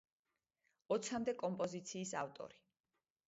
ოცამდე კომპოზიციის ავტორი.